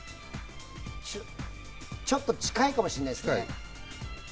ちょっと近いかもしれないですね。